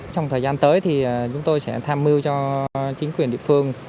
trong thời gian tới thì chúng tôi sẽ tham mưu cho chính quyền địa phương